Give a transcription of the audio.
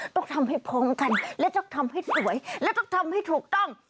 ต้องทำให้พร้อมกันและต้องทำให้สวยและต้องทำให้ถูกต้อง